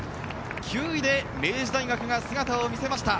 ９位で明治大学が姿を見せました。